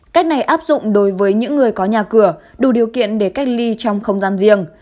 cách này áp dụng đối với những người có nhà cửa đủ điều kiện để cách ly trong không gian riêng